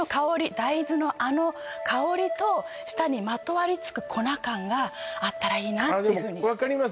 大豆のあの香りと舌にまとわりつく粉感があったらいいなっていうふうに分かります